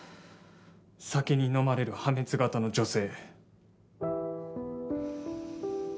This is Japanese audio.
酒にのまれる破滅型の女性。